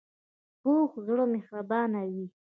پوخ زړه مهربانه وي